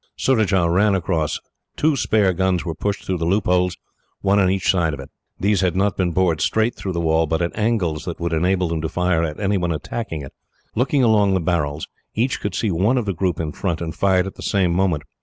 Surajah ran across. Two spare guns were pushed through the loopholes, one on each side of it. These had not been bored straight through the wall, but at angles that would enable them to fire at anyone attacking it. Looking along the barrels, each could see one of the group in front, and fired at the same moment.